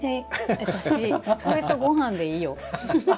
私、これとごはんでいいよ。